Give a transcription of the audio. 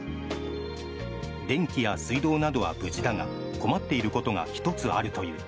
電気や水道などは無事だが困っていることが１つあるという。